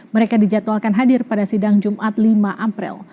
mereka dijadwalkan hadir pada sidang jumat lima april